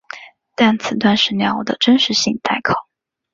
但此段史料的真实性待考。